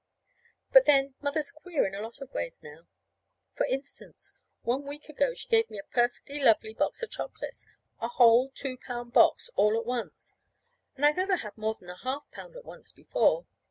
But, then, Mother's queer in lots of ways now. For instance: One week ago she gave me a perfectly lovely box of chocolates a whole two pound box all at once; and I've never had more than a half pound at once before.